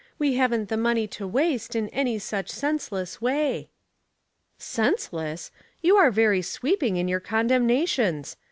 We haven't the money to waste in any such senseless way." '* Senseless ! You are very sweeping in your condemnations.